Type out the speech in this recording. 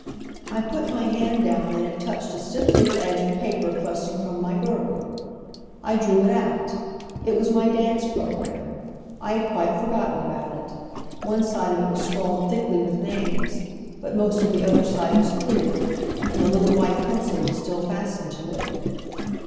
I put my hand down and it touched a stiff little edge of paper thrusting from my girdle. I drew it out. It was my dance program. I had quite forgotten about it. One side of it was scrawled thickly with names, but most of the other side was clear, and the little white pencil was still fastened to it.